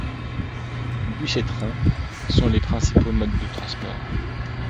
Bus et trains sont les principaux modes de transport.